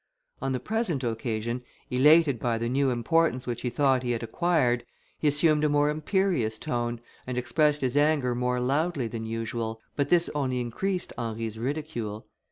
On the present occasion, elated by the new importance which he thought he had acquired, he assumed a more imperious tone, and expressed his anger more loudly than usual, but this only increased Henry's ridicule.